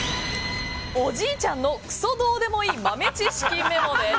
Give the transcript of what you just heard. おじいちゃんのクソどうでもいい豆知識メモです。